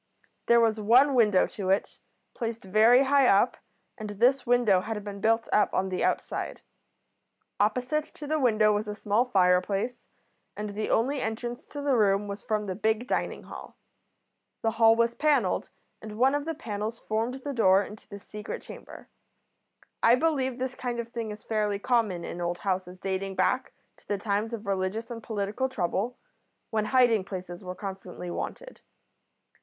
There was one window to it, placed very high up, and this window had been built up on the outside. Opposite to the window was a small fireplace, and the only entrance to the room was from the big dining hall. The hall was panelled, and one of the panels formed the door into the secret chamber. I believe this kind of thing is fairly common in old houses dating back to the times of religious and political trouble, when hiding places were constantly wanted.